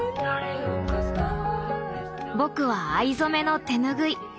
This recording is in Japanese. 僕は藍染めの手ぬぐい。